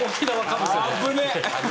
危ねえ！